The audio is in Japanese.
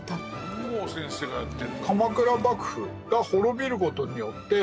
本郷先生がやってるんだ。